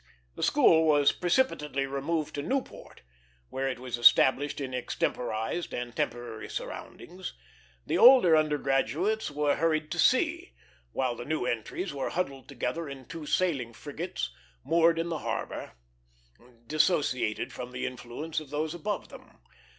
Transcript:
The school was precipitately removed to Newport, where it was established in extemporized and temporary surroundings; the older undergraduates were hurried to sea, while the new entries were huddled together on two sailing frigates moored in the harbor, dissociated from the influence of those above them.